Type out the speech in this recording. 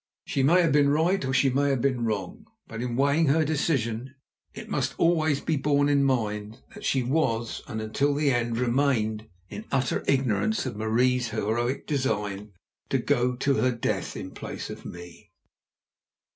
She may have been right, or she may have been wrong, but in weighing her decision it must always be borne in mind that she was, and until the end remained, in utter ignorance of Marie's heroic design to go to her death in place of me.